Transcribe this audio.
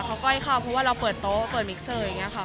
เขากล้อยค่ะเพราะว่าเราเปิดโต๊ะเปิดอย่างนี้ค่ะ